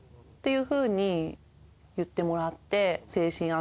いうふうに言ってもらって。